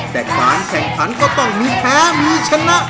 แต่การแข่งขันก็ต้องมีแพ้มีชนะ